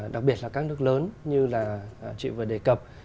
đặc biệt là các nước lớn như là chị vừa đề cập